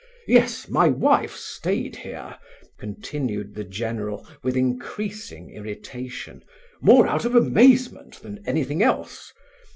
Yes, my wife stayed here," continued the general, with increasing irritation, "more out of amazement than anything else.